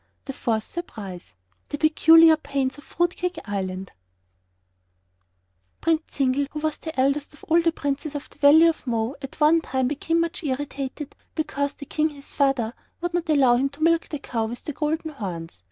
The Fourth Surprise THE PECULIAR PAINS OF FRUITCAKE ISLAND Prince Zingle, who was the eldest of all the princes of the Valley of Mo, at one time became much irritated because the King, his father, would not allow him to milk the cow with the golden horns.